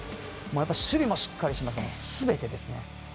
守備もしっかりしてますからすべてですね。